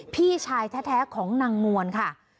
พี่ชายแท้ของนางนวลค่ะ